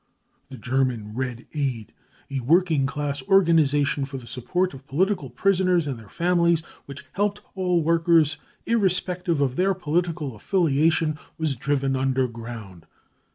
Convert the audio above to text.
The German Red Aid, a working class organisation for the support of political prisoners and their families, which helped all workers irrespective of their political affiliation, was driven underground.